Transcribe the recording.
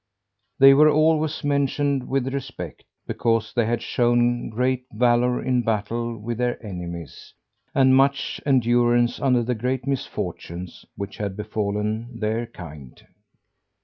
They were always mentioned with respect, because they had shown great valour in battle with their enemies; and much endurance under the great misfortunes which had befallen their kind.